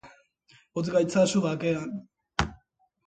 Utz gaitzazu bakean!